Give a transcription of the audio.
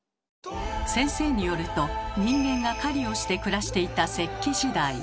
先生によると人間が狩りをして暮らしていた石器時代。